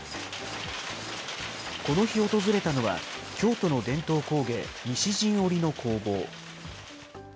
この日訪れたのは京都の伝統工芸、西陣織の工房。